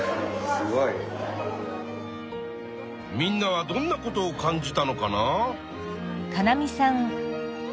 みんなはどんなことを感じたのかな？